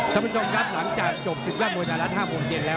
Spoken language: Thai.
ท่านผู้ชมครับหลังจากจบ๑๙มวยนาฬาท๕โมงเย็นแล้ว